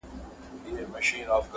جهاني مي د پښتون غزل اسمان دی,